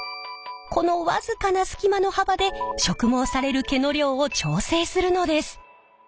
この僅かな隙間の幅で植毛される毛の量を調整するのです。